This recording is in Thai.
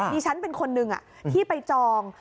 ดิฉันเป็นคนหนึ่งที่ไปจอง